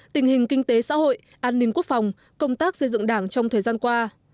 tình hình kinh tế xã hội an ninh quốc phòng công tác xây dựng đảng trong thời gian qua